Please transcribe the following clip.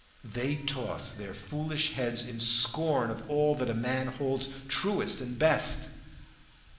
They toss their foolish heads in scorn of all that a man holds truest and best.